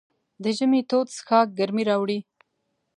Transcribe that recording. د ژمي تود څښاک ګرمۍ راوړي.